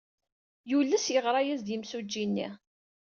Yules yeɣra-as-d yemsujji-nni.